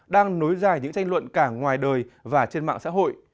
đang nối dài những tranh luận cả ngoài đời và trên mạng xã hội